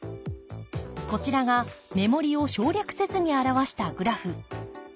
こちらが目盛りを省略せずに表したグラフ。